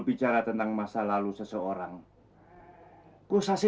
sepertinya kau menaburkan garam di atas luka adekmu yang belum juga sembuh